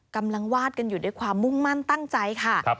วาดกันอยู่ด้วยความมุ่งมั่นตั้งใจค่ะ